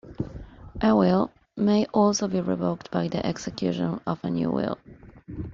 A will may also be revoked by the execution of a new will.